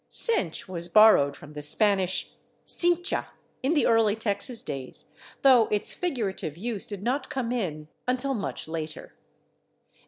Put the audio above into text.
/Cinch/ was borrowed from the Spanish /cincha/ in the early Texas days, though its figurative use did not come in until much later.